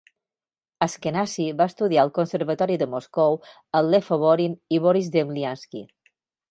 Ashkenazy va estudiar al conservatori de Moscou amb Lev Oborin i Boris Zemliansky.